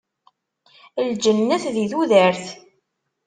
Lǧennet di tudert.